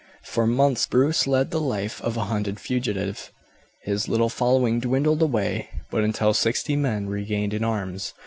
For months Bruce led the life of a hunted fugitive. His little following dwindled away until but sixty men remained in arms.